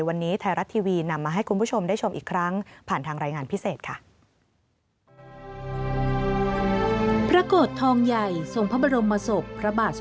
วันนี้ไทยรัฐทีวีนำมาให้คุณผู้ชมได้ชมอีกครั้งผ่านทางรายงานพิเศษค่ะ